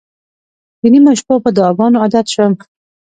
د نیمو شپو په دعاګانو عادت شوم.